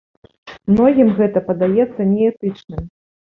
Многім гэта падаецца неэтычным.